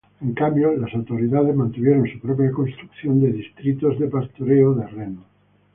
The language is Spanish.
En cambio, las autoridades mantuvieron su propia construcción de distritos de pastoreo de renos.